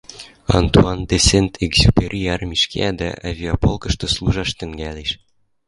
Антуан де Сент-Экзюпери армиш кеӓ дӓ авиаполкышты служаш тӹнгӓлеш.